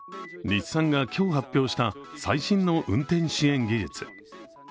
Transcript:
日産が今日、発表した最新の運転支援技術。